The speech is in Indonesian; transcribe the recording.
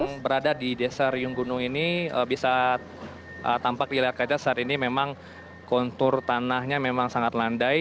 yang berada di desa riung gunung ini bisa tampak dilihat kaca saat ini memang kontur tanahnya memang sangat landai